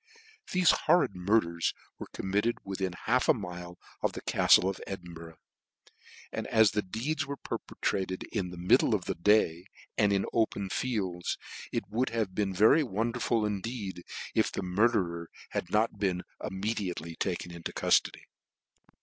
Thele horrid murders were committed within half a mile of the caftle of Edinburgh , and ss the deeds were perpetrated in /he middle of the day, and in the open fields, it would have been very wonderful indeed, if the murderer had not been immediately taken into cultody.